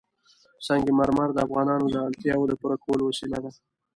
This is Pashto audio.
سنگ مرمر د افغانانو د اړتیاوو د پوره کولو وسیله ده.